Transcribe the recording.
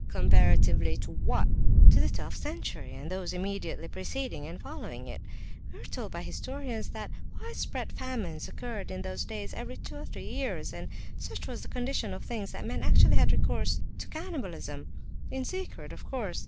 "Comparatively to what?" "To the twelfth century, and those immediately preceding and following it. We are told by historians that widespread famines occurred in those days every two or three years, and such was the condition of things that men actually had recourse to cannibalism, in secret, of course.